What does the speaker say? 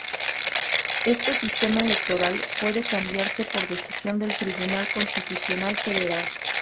Este sistema electoral puede cambiarse por decisión del Tribunal Constitucional Federal.